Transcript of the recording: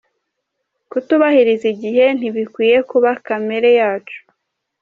Kutubahiriza igihe ntibikwiye kuba kamere yacu.